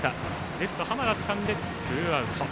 レフト、濱田がつかんでツーアウト。